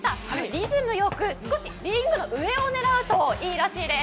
リズムよく少しリングの上を狙うといいそうです。